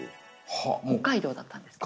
北海道だったんですけど。